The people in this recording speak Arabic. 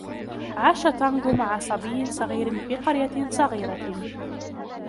عاش تانغو مع صبي صغير في قرية صغيرة.